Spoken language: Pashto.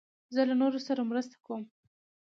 زه له نورو سره مرسته کوم.